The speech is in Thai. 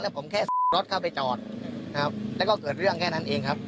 ผมแค่รถเข้าไปจอดครับแล้วก็เกิดเรื่องแค่นั้นเองครับ